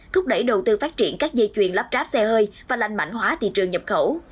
thúc đẩy đầu tư phát triển các dây chuyền lắp ráp xe hơi và lành mạnh hóa thị trường nhập khẩu